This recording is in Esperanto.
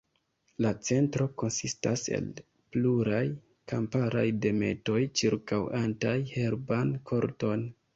La Centro konsistas el pluraj kamparaj dometoj ĉirkaŭantaj herban korton.